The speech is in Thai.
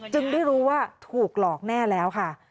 ได้รู้ว่าถูกหลอกแน่แล้วค่ะ